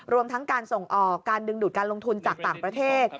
รวมทั้งการส่งออกการดึงดูดการลงทุนจากต่างประเทศ